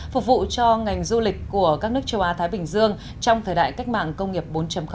phục vụ cho ngành du lịch của các nước châu á thái bình dương trong thời đại cách mạng công nghiệp bốn